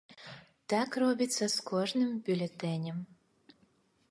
Так робіцца з кожным бюлетэнем.